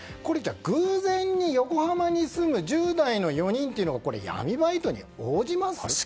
偶然に横浜に住む１０代の４人が闇バイトに応じます？